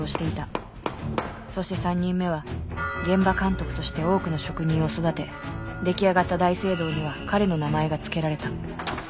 そして３人目は現場監督として多くの職人を育て出来上がった大聖堂には彼の名前が付けられた。